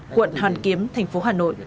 quận hoàn kiếm thành phố hà nội